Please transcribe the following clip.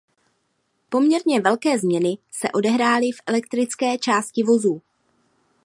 Poměrně velké změny se odehrály v elektrické části vozů.